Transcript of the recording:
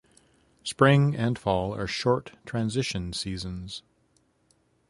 Spring and fall are short transition seasons.